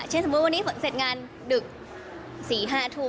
สมมุติวันนี้ฝนเสร็จงานดึก๔๕ทุ่ม